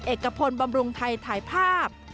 เอกพลบำรุงไทยถ่ายภาพ